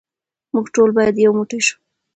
موږ ټول باید یو موټی شو.